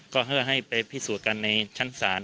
ก็เพื่อให้ไปพิสูจน์กันในชั้นศาล